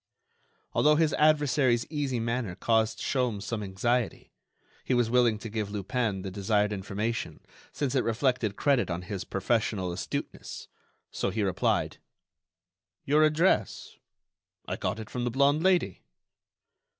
Although his adversary's easy manner caused Sholmes some anxiety, he was willing to give Lupin the desired information since it reflected credit on his professional astuteness; so he replied: "Your address? I got it from the blonde Lady."